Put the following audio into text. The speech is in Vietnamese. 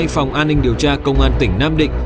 phòng an ninh điều tra công an tỉnh nam định